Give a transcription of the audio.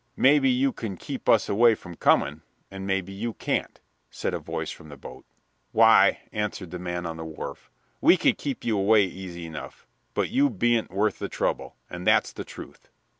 "Maybe you can keep us away from coming, and maybe you can't," said a voice from the boat. "Why," answered the man on the wharf, "we could keep you away easy enough, but you ben't worth the trouble, and that's the truth."